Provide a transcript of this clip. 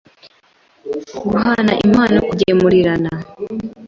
guhana impano, kugemurirana,